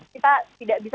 kita tidak bisa